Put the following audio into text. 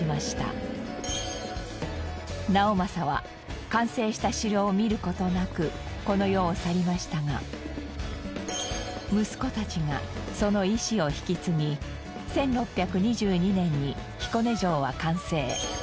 直政は完成した城を見る事なくこの世を去りましたが息子たちがその遺志を引き継ぎ１６２２年に彦根城は完成。